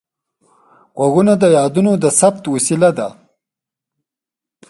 غوږونه د یادونو د ثبت وسیله ده